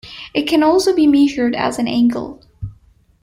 It can also be measured as an angle.